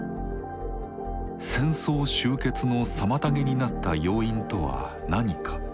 戦争終結の妨げになった要因とは何か？